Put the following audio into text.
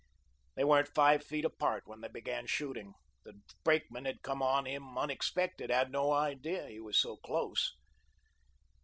They weren't five feet apart when they began shooting. The brakeman had come on him unexpected, had no idea he was so close."